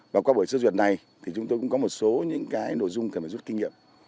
và qua buổi sơ duyệt này thì chúng tôi cũng có một số những cái nội dung cần phải rút kinh nghiệm